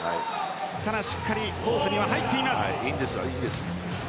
ただ、しっかりコースには入っています。